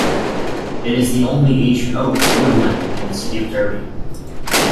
It is the only ancient oak woodland in the city of Derby.